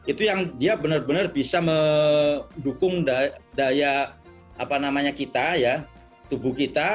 itu yang dia benar benar bisa mendukung daya kita tubuh kita